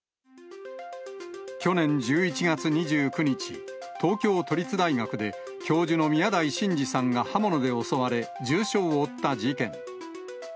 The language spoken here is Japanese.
去年１１月２９日、東京都立大学で、教授の宮台真司さんが刃物で襲われ、重傷を負った事件。